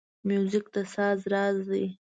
موزیک د ساز راز دی.